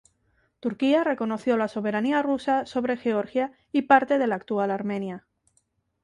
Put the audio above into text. Turquía reconoció la soberanía rusa sobre Georgia y parte de la actual Armenia.